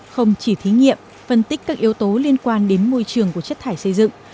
không chỉ thí nghiệm phân tích các yếu tố liên quan đến môi trường của chất thải xây dựng